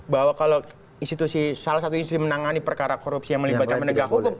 bahwa kalau salah satu institusi menangani perkara korupsi yang melibatkan penegak hukum